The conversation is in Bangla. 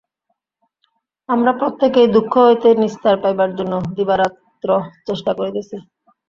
আমরা প্রত্যেকেই দুঃখ হইতে নিস্তার পাইবার জন্য দিবারাত্র চেষ্টা করিতেছি।